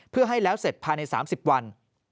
เพื่อให้แล้วเสร็จภายใน๓๐วัน